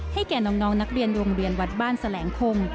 แก่น้องนักเรียนโรงเรียนวัดบ้านแสลงคม